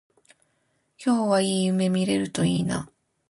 今日はいい夢見れるといいな